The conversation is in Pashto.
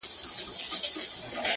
او ذهنونه بوخت ساتي ډېر ژر-